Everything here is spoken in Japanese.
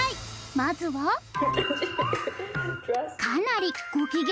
まずはかなりご機嫌